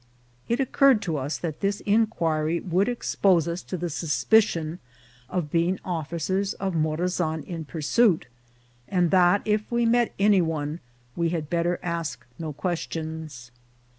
It occurred to us that this inquiry would expose us to the suspicion of being officers of Morazan in pursuit, and that, if we met any one, we had better ask no questions.